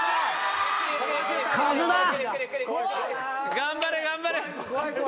頑張れ、頑張れ。